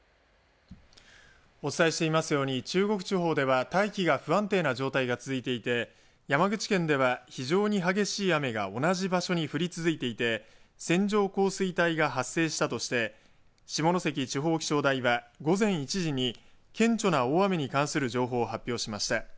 お伝えしていますように中国地方では大気が不安定な状態が続いていて山口県では非常に激しい雨が同じ場所に降り続いていて線状降水帯が発生したとして下関地方気象台は午前１時に顕著な大雨に関する情報を発表しました。